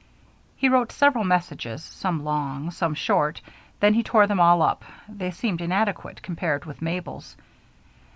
He wrote several messages, some long, some short; then he tore them all up they seemed inadequate compared with Mabel's.